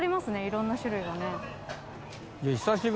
いろんな種類がね。